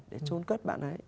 để trốn cất bạn ấy